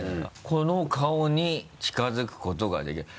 この顔に近づくことができる？